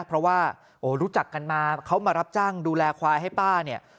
เพราะว่ารู้จักกันมาเขามารับจ้างดูแลควายให้ป้าเนี่ย